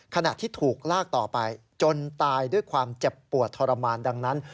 ขณะที่ถูกลากต่อไปจนตายด้วยความเจ็บปวดทรมานดังนั้น